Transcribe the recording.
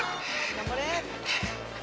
頑張れ！